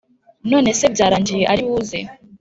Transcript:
nonese byarangiye ari buze